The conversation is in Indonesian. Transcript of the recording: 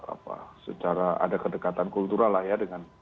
apa secara ada kedekatan kultural lah ya